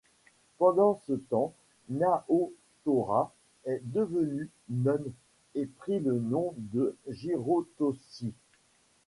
Pendant ce temps Naotora est devenue nonne et prit le nom de Jirotoshi.